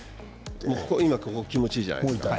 今、腕が気持ちいいじゃないですか。